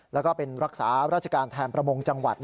แล้วก็เป็นรักษาราชการแทนประมงจังหวัด